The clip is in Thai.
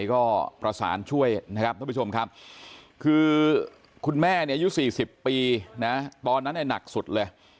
พ่อประสานช่วยนะครับทุกผู้ชมครับคือคุณแม่อายุ๔๐ปีนะตอนนั้นให้หนักสุดเลย